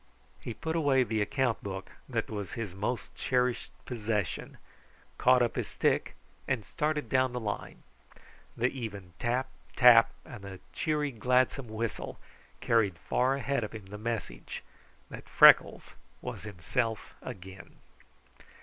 He put away the account book, that was his most cherished possession, caught up his stick, and started down the line. The even tap, tap, and the cheery, gladsome whistle carried far ahead of him the message that Freckles was himself again.